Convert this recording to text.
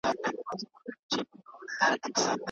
د خنزیر د غوښي او شرابو په استمعال کښي ذمیان مستثنى دي.